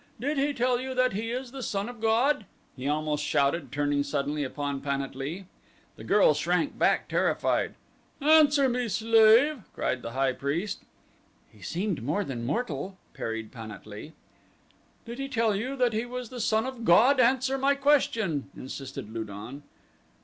Did he tell you that he was the son of god?" he almost shouted, turning suddenly upon Pan at lee. The girl shrank back terrified. "Answer me, slave!" cried the high priest. "He seemed more than mortal," parried Pan at lee. "Did he tell you that he was the son of god? Answer my question," insisted Lu don.